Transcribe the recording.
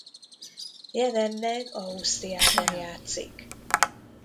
Jelenleg Ausztriában játszik.